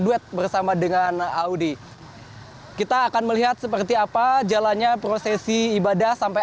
duet bersama dengan audi kita akan melihat seperti apa jalannya prosesi ibadah sampai